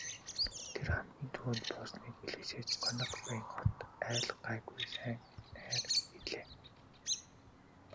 Тэд хамгийн түрүүнд буусныг бэлэгшээж Конекбайн хот айл гайгүй сайн найр хийлээ.